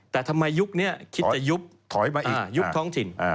แต่ทำไมยุคนี้คิดจะยุบท้องถิ่น